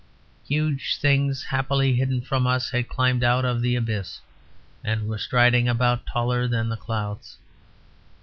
Huge things happily hidden from us had climbed out of the abyss, and were striding about taller than the clouds.